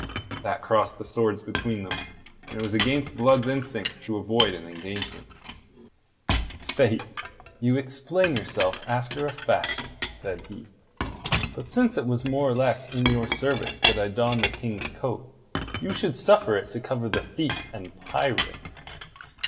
That crossed the swords between them, and it was against Blood's instincts to avoid an engagement. "Faith, you explain yourself after a fashion," said he. "But since it was more or less in your service that I donned the King's coat, you should suffer it to cover the thief and pirate."